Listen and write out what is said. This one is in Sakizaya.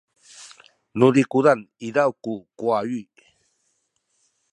nu zikuzan izaw ku kuwawi